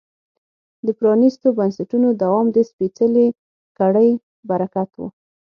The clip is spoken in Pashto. د پرانیستو بنسټونو دوام د سپېڅلې کړۍ برکت و.